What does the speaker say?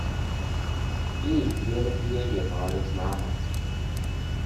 Jejich biologie je málo známa.